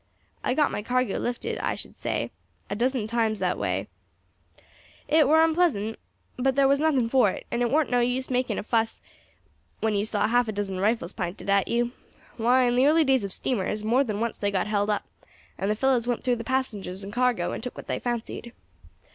I got my cargo lifted, I should say, a dozen times that way. It war onpleasant, but thar was nothing for it; and it warn't no use making a fuss when you saw half a dozen rifles pinted at you. Why, in the early days of steamers, more than once they got held up, and the fellows went through the passengers and cargo and took what they fancied.